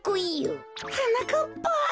はなかっぱ。